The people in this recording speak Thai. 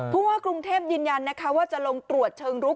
ผู้ว่ากรุงเทพยืนยันนะคะว่าจะลงตรวจเชิงลุก